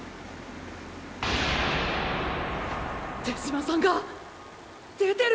手嶋さんが出てる！